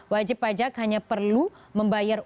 wajib pajak hanya perlu membayar